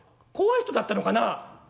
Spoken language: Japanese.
怖い人だったのかなあ。